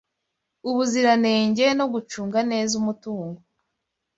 ubuziranenge no gucunga neza umutungo